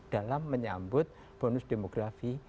dalam menyambut bonus demografi